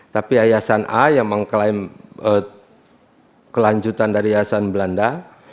tapi yayasan a yang mengklaim kelanjutan dari yayasan belanda